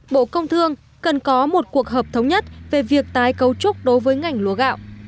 bộ công thương cần có một cuộc hợp thống nhất về việc tái cấu trúc đối với ngành lúa gạo